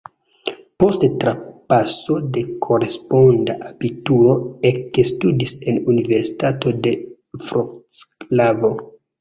Post trapaso de koresponda abituro ekstudis en Universitato de Vroclavo.